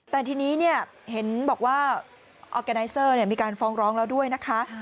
แต่ทีนี้เห็นบอกว่าออร์แกไนเซอร์มีการฟ้องร้องแล้วด้วยนะคะ